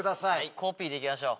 コピーでいきましょう。